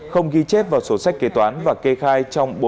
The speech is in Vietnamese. không ghi chép vào sổ sách kế toán và kê khai trong